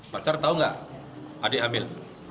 pacar tahu nggak adik hamil